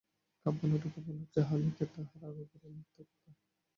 কাব্যে নাটকে উপন্যাসে যাহা লেখে তাহার আগাগোড়াই মিথ্যা কথা!